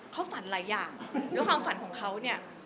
เขาฝันหลายอย่างด้วยความฝันของเขาเนี่ย